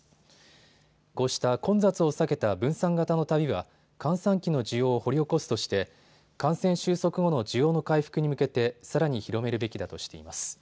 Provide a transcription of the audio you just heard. こうした混雑を避けた分散型の旅は閑散期の需要を掘り起こすとして感染収束後の需要の回復に向けてさらに広めるべきだとしています。